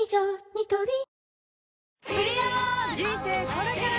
ニトリ人生これから！